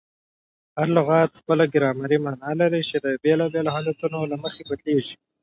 هر لغت خپله ګرامري مانا لري، چي د بېلابېلو حالتو له مخي بدلیږي.